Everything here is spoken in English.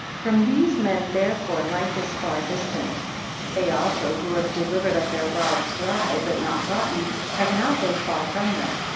From these men therefore life is far distant. 53 They also who have delivered up their rods dry, but not rotten, have not been far from them.